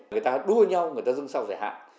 người ta đua nhau người ta dâng sao giải hạn